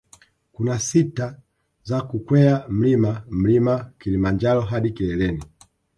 Kuna sita za kukwea mlima mlima kilimanjaro hadi kileleni